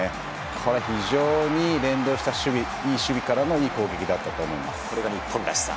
これ、非常に連動したいい守備からのいい攻撃だったと思います。